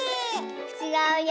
ちがうよ。